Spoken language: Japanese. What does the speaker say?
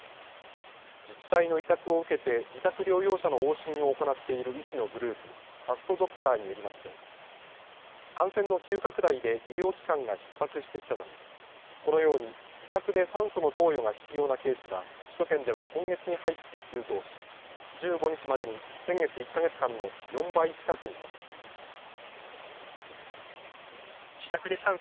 自治体の委託を受けて自宅療養者の往診を行っている医師のグループ、ファストドクターによりますと感染の急拡大で医療機関がひっ迫してきたためこのように自宅で酸素の投与が必要なケースは首都圏では今月に入って急増し１５日までに先月１か月間の４倍近くに上っています。